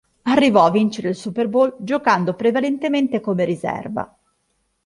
Arrivò a vincere il Super Bowl giocando prevalentemente come riserva.